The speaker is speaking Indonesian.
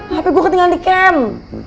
hape gue ketinggalan di camp